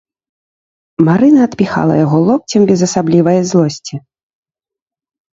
Марына адпіхала яго локцем без асаблівае злосці.